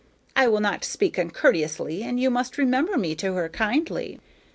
I will not speak uncourteously, and you must remember me to her kindly."